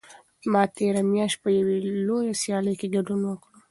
ما تېره میاشت په یوې لویه سیالۍ کې ګډون وکړ.